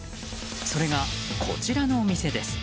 それがこちらのお店です。